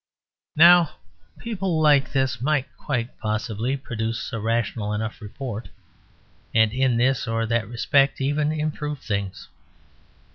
Now people like this might quite possibly produce a rational enough report, and in this or that respect even improve things.